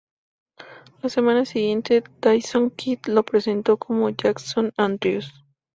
La semana siguiente, Tyson Kidd lo presentó como "Jackson Andrews".